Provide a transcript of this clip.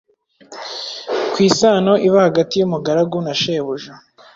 ku isano iba hagati y’umugaragu na shebuja.